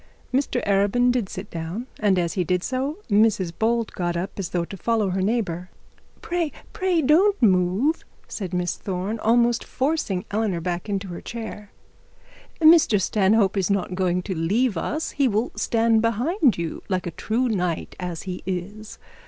Mr Arabin did sit down, and as he did so, Mrs Bold got up as though to follow her neighbour. 'Pray, pray don't move,' said Miss Thorne, almost forcing Eleanor back into her chair. 'Mr Stanhope is not going to leave us. He will stand behind you like a true knight as he is.